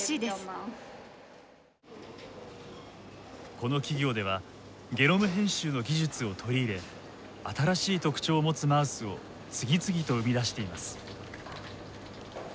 この企業ではゲノム編集の技術を取り入れ新しい特徴を持つマウスを次々と生み出しています。